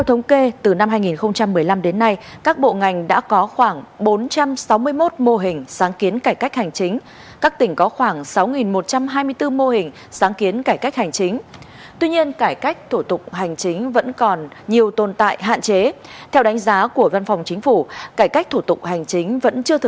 hãy đăng ký kênh để nhận thông tin nhất